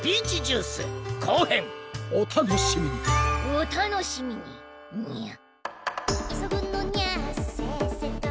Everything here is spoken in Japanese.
お楽しみにニャ。